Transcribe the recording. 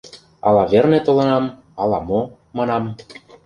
— Ала верне толынам, ала мо, — манам.